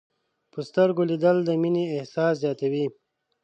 په سترګو لیدل د مینې احساس زیاتوي